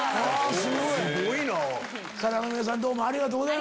すごい！